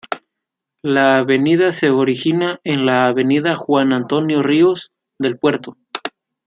La avenida se origina en la Avenida Juan Antonio Ríos del puerto.